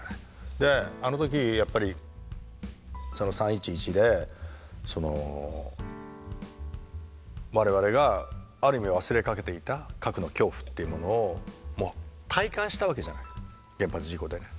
であの時やっぱりその３．１１でその我々がある意味忘れかけていた核の恐怖っていうものを体感したわけじゃない原発事故で。